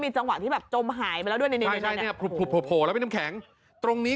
นี่คุณผู้ชมกักละเมืองดี